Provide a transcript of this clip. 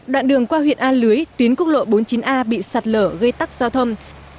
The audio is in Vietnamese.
đoạn đường qua huyện a lưới tuyến quốc lộ bốn mươi chín a bị sạt lở gây tắc giao thông